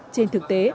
trên thực tế